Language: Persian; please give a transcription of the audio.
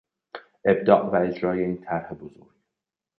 ابداع و اجرای این طرح بزرگ